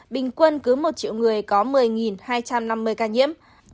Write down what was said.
bình quân cứ một triệu người có một mươi hai trăm năm mươi ca nhiễm